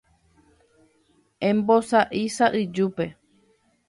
Embosa'y sa'yjúpe.